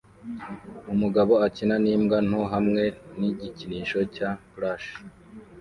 Umugabo akina nimbwa nto hamwe nigikinisho cya plush